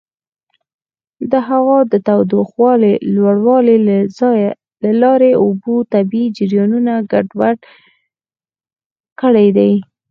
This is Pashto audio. د هوا د تودوخې لوړوالي له لارې د اوبو طبیعي جریانونه ګډوډ کړي دي.